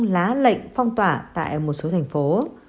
lá lệnh phong tỏa tại một số thành phố